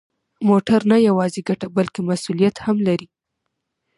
موټر نه یوازې ګټه، بلکه مسؤلیت هم لري.